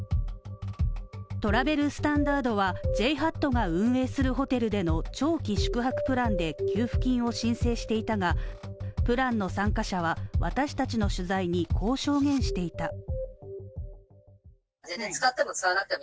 トラベル・スタンダートはＪＨＡＴが運営するホテルでの長期宿泊プランで給付金を申請していたがプランの参加者は私たちの取材にこう表現していた。